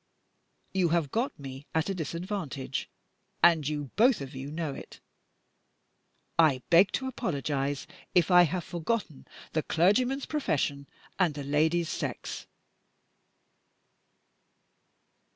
You have got me at a disadvantage, and you both of you know it. I beg to apologize if I have forgotten the clergyman's profession and the lady's sex."